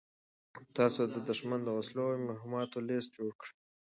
تاسو د دښمن د وسلو او مهماتو لېست جوړ کړئ.